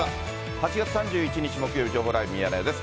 ８月３１日木曜日、情報ライブミヤネ屋です。